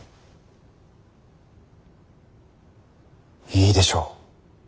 いいでしょう。